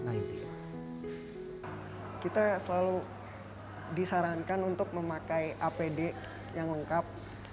kita selalu disarankan untuk memakai apd yang lengkap